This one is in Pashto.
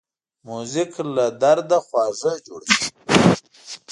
موزیک له درد خوږ جوړوي.